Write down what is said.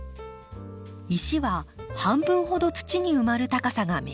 石は半分ほど土に埋まる高さが目安。